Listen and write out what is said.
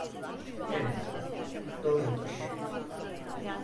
Evet, doğrudur.